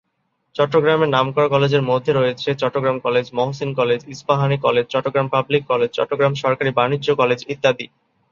চট্টগ্রামের নামকরা কলেজের মধ্যে রয়েছে, Chittagong college, Mohsin college, Ispahani college, Chittagong public college, Chittagong সরকারি বাণিজ্য কলেজ ইত্যাদি।